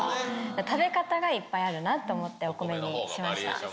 食べ方がいっぱいあるなと思って、お米にしました。